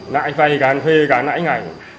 nãi vay càng thuê càng nãi ngành